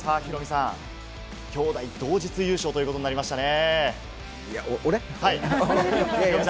ヒロミさん、兄妹同日優勝ということになりましたね。